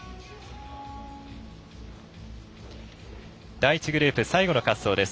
第１グループ最後の滑走です。